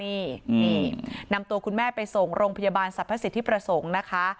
นี่นำตัวคุณแม่ไปส่งโรงพยาบาลสรรพสิทธิประสงค์นะคะ